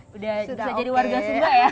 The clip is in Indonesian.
sudah bisa jadi warga sumba ya